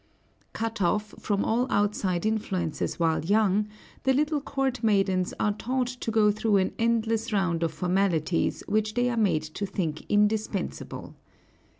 Cut off from all outside influences while young, the little court maidens are taught to go through an endless round of formalities which they are made to think indispensable.